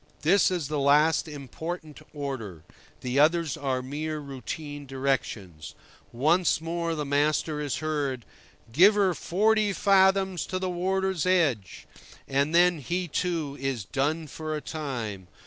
This is the last important order; the others are mere routine directions. Once more the master is heard: "Give her forty five fathom to the water's edge," and then he, too, is done for a time.